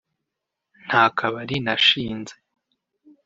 Nta kabari nashinze